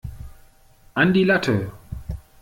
An die Latte!